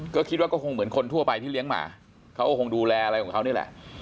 ก็คิดว่าก็คงเหมือนคนทั่วไปที่เลี้ยงหมาเขาก็คงดูแลอะไรของเขานี่แหละ